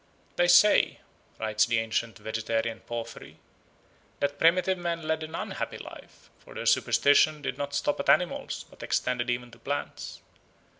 "They say," writes the ancient vegetarian Porphyry, "that primitive men led an unhappy life, for their superstition did not stop at animals but extended even to plants.